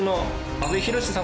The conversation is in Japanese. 阿部寛さん